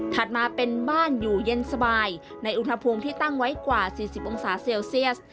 มาเป็นบ้านอยู่เย็นสบายในอุณหภูมิที่ตั้งไว้กว่า๔๐องศาเซลเซียส